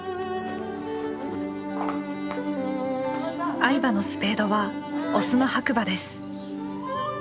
愛馬のスペードは雄の白馬です。